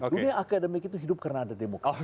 dunia akademik itu hidup karena ada demokrasi